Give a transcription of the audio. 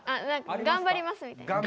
「頑張ります」みたいな。